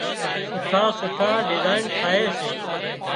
سُٺا سُٺا ڊزائين ٺاهي سي